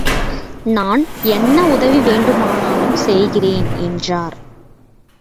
நான் என்ன உதவி வேண்டுமானாலும் செய்கிறேன் என்றார்.